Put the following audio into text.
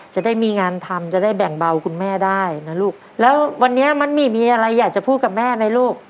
จะได้มีงานทำจะได้แบ่งเบาคุณแม่ได้นะลูกแล้ววันนี้มันมีมีอะไรอยากจะพูดกับแม่ไหมลูก